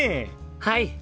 はい！